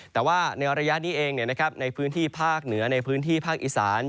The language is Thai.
แต่ว่าในระยะนี้เองในพื้นที่ภาคเหนือในพื้นที่ภาคอีสาน